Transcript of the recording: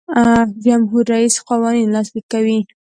جمهور رئیس قوانین لاسلیک کوي.